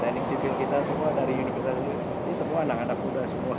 teknik sivil kita semua dari unit kita semua ini semua anak anak muda semua